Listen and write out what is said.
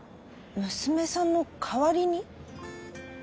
娘さんの代わりに？